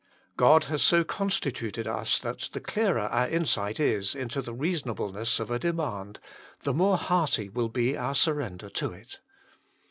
God has so constituted us that the clearer our insight is into the reasonableness of a demand, the more hearty will be our surrender to it.